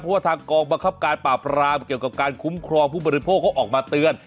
เพราะว่าทางกองบังคับการปราบรามเกี่ยวกับการคุ้มครองผู้บริโภคเขาออกมาเตือน